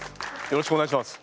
よろしくお願いします。